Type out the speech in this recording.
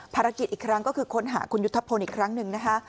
ภารกิจอีกครั้งก็คือค้นหาคุณยุทธพลอีกครั้งหนึ่งนะคะ